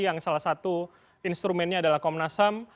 yang salah satu instrumennya adalah komnasam